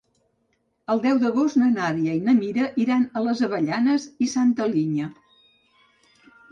El deu d'agost na Nàdia i na Mira iran a les Avellanes i Santa Linya.